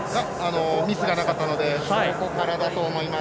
ミスがなかったのでここからだと思います。